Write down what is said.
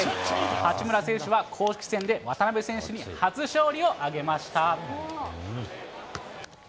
八村選手は公式戦で渡邊選手に初勝利を挙げました。